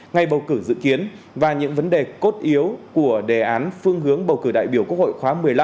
ngày bầu cử dự kiến và những vấn đề cốt yếu của đề án phương hướng bầu cử đại biểu quốc hội khóa một mươi năm